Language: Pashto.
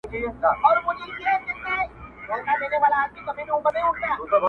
هوښيار نور منع کړل و ځان ته يې غوښتلی شراب,